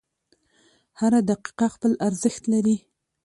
• هره دقیقه خپل ارزښت لري.